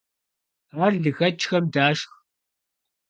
Ар лыхэкIхэм дашх.